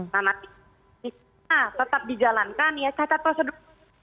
nah nanti tetap dijalankan ya cacat prosedur